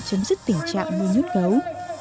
chấm dứt tình trạng nuôi nhốt gấu